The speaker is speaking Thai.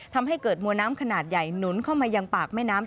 ทำให้เกิดมวลน้ำขนาดใหญ่หนุนเข้ามายังปากแม่น้ำ